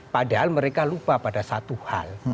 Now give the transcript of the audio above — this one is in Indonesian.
padahal mereka lupa pada satu hal